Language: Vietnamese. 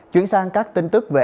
chuyển sang các tin tức về